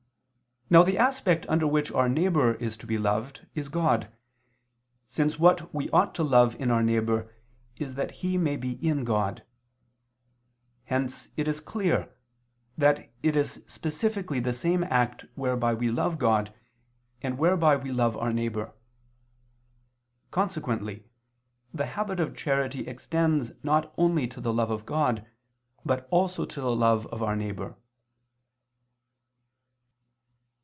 Now the aspect under which our neighbor is to be loved, is God, since what we ought to love in our neighbor is that he may be in God. Hence it is clear that it is specifically the same act whereby we love God, and whereby we love our neighbor. Consequently the habit of charity extends not only to the love of God, but also to the love of our neighbor.